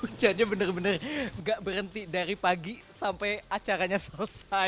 hujannya benar benar gak berhenti dari pagi sampai acaranya selesai